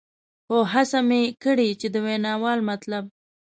خو هڅه مې کړې چې د ویناوال مطلب.